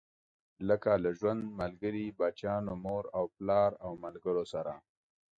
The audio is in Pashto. لکه له ژوند ملګري، بچيانو، مور او پلار او ملګرو سره.